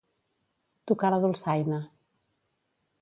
Tocar la dolçaina.